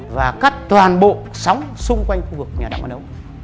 và cắt toàn bộ sóng xung quanh khu vực nhà đẳng bán ấu